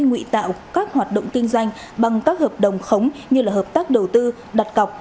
nguy tạo các hoạt động kinh doanh bằng các hợp đồng khống như là hợp tác đầu tư đặt cọc